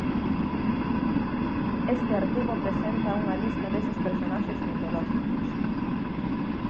Este artigo presenta unha lista deses personaxes mitolóxicos.